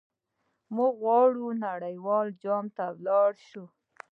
موږ غواړو نړیوال جام ته لاړ شو.